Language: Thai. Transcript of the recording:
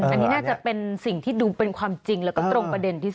อันนี้น่าจะเป็นสิ่งที่ดูเป็นความจริงแล้วก็ตรงประเด็นที่สุด